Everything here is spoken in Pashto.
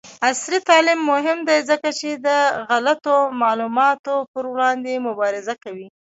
عصري تعلیم مهم دی ځکه چې د غلطو معلوماتو پر وړاندې مبارزه کوي.